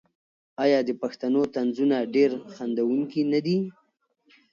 آیا د پښتنو طنزونه ډیر خندونکي نه دي؟